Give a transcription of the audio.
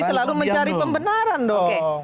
selalu mencari pembenaran dong